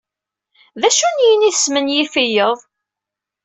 D acu n yini i tesmenyifiyeḍ?